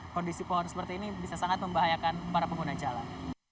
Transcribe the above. kondisi pohon seperti ini bisa sangat membahayakan para pengguna jalan